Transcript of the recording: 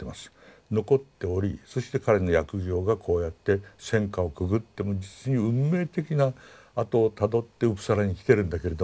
残っておりそして彼の訳業がこうやって戦禍をくぐって実に運命的な跡をたどってウプサラに来てるんだけれども。